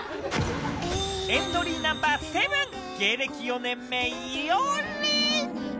エントリーナンバー７、芸歴４年目、いおり。